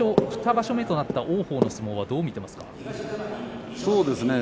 ２場所目となった王鵬の相撲はどう見ていますか？